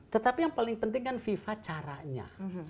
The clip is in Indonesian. tetapi yang paling penting kan fifa caranya